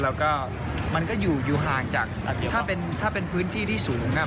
แล้วก็มันก็อยู่อยู่ห่างจากถ้าเป็นถ้าเป็นพื้นที่ที่สูงอ่ะ